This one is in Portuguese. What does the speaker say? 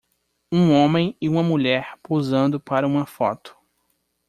um homem e uma mulher posando para uma foto